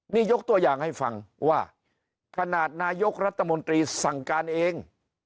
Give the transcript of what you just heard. นี่ยกตัวอย่างให้ฟังว่าขนาดนายกรัฐมนตรีสั่งการเอง